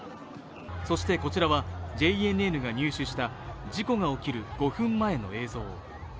そして、こちらはＪＮＮが入手した事故が起きる５分前の映像。